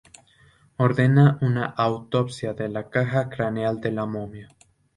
Ordena una autopsia de la caja craneal de la momia.